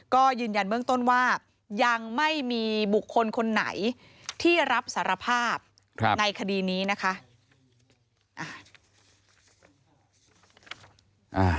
ก็ยืนยันเบื้องต้นว่ายังไม่มีบุคคลคนไหนที่รับสารภาพในคดีนี้นะคะ